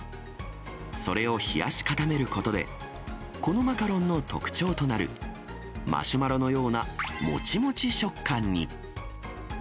それを冷やし固めることで、このマカロンの特徴となる、マシュマロのようなもちもち食感に。